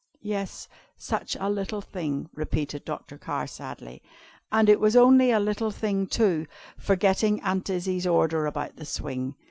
"Yes, such a little thing!" repeated Dr. Carr, sadly. "And it was only a little thing, too, forgetting Aunt Izzie's order about the swing.